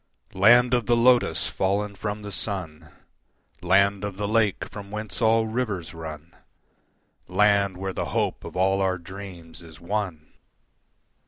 Land of the Lotus fallen from the sun, Land of the Lake from whence all rivers run, Land where the hope of all our dreams is won!